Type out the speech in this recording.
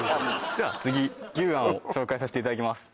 じゃあ次牛庵を紹介さしていただきます